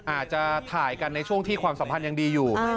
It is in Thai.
อาจจะถ่ายกันในช่วงที่ความสัมพันธ์ยังดีอยู่